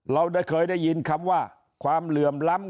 เราได้เคยได้ยินคำว่าความเหลื่อมล้ำ